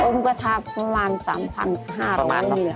เอาบนกระทะประมาณ๓๕๐๐เลย